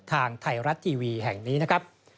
ทางไทยรัฐทีวีแห่งนี้นะครับ